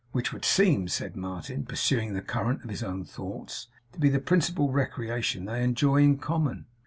'Which would seem,' said Martin, pursuing the current of his own thoughts, 'to be the principal recreation they enjoy in common.